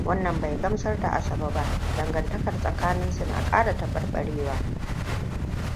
Wannan bai gamsar da Asabe ba, dangantakar tsakanin su na kara taɓarɓarewa.